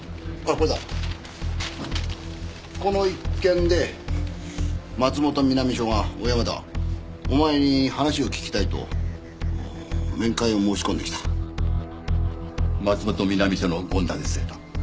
これだこの一件で松本南署が小山田お前に話を聞きたいと面会を申し込んできた松本南署の権田です